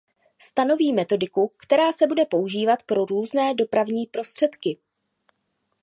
Stanoví metodiku, která se bude používat pro různé dopravní prostředky.